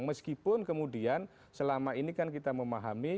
meskipun kemudian selama ini kan kita memahami